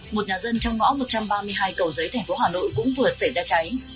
một nhà dân trong ngõ một trăm ba mươi hai cầu giấy thành phố hà nội cũng vừa xảy ra cháy